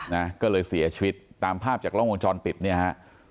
นะก็เลยเสียชีวิตตามภาพจากกล้องวงจรปิดเนี่ยฮะ